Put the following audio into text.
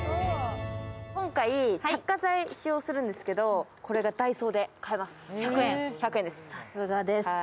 今回、着火剤、使用するんですけど、これがダイソーで買えます。